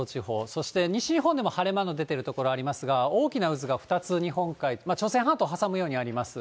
そして西日本でも晴れ間の出ている所がありますが、大きな渦が２つ、日本海、朝鮮半島挟むようにあります。